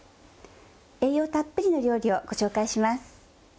栄養たっぷりの料理をご紹介します。